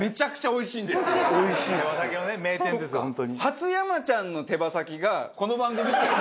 初山ちゃんの手羽先がこの番組って事。